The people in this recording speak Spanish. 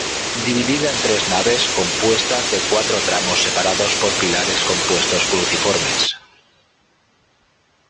Dividida en tres naves compuestas de cuatro tramos separados por pilares compuestos cruciformes.